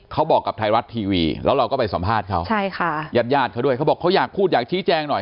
เขาบอกกับไทยรัฐทีวีแล้วเราก็ไปสัมภาษณ์เขาใช่ค่ะญาติญาติเขาด้วยเขาบอกเขาอยากพูดอยากชี้แจงหน่อย